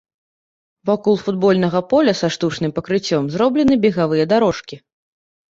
Вакол футбольнага поля са штучным пакрыццём зроблены бегавыя дарожкі.